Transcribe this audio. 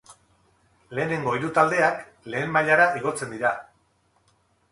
Lehenengo hiru taldeak lehen mailara igotzen dira.